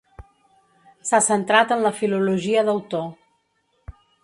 S'ha centrat en la filologia d'autor.